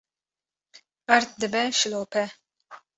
erd dibe şilope